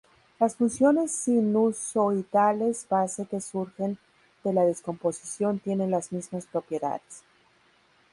Las funciones sinusoidales base que surgen de la descomposición tienen las mismas propiedades.